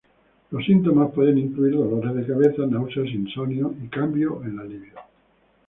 Los síntomas pueden incluir dolores de cabeza, náuseas, insomnio y cambios en la libido.